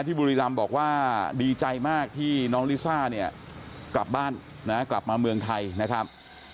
บุรีรำบอกว่าดีใจมากที่น้องลิซ่าเนี่ยกลับบ้านนะกลับมาเมืองไทยนะครับ